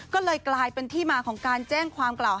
ก็เลยกลายเป็นที่มาของการแจ้งความกล่าว